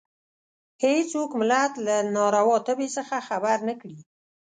هېڅوک ملت له ناروا تبې څخه خبر نه کړي.